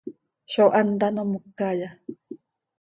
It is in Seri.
¿Zó hant ano mocaya?